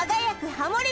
ハモリ